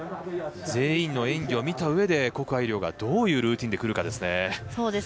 全員の演技を見たうえで谷愛凌がどういうルーティンで来るかです。